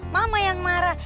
mama yang marah